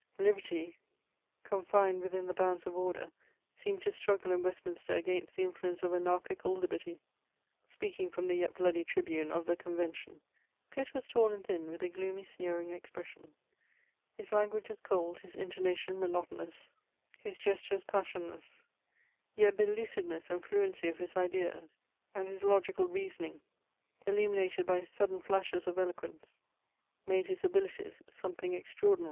liberty, confined within the bounds of cvder, seemed to stn^^ in Westminster against the influence of anarehieal Hberty^ speak ing from the yet bloody tribune of the Ckmvention* Pitt ^^is tall and tmn, with a gkxHEy, sneering ezpiesoMi. His language was cold, his intonatKm monotonous, his gestures passionless ; yet the locidness and fluency of his ideas, and his logical reasoning, illuminated by sudden flashes of eloquence, made his abUities BomethiBg ex»«oid»«y. CHATEAUBRIAND.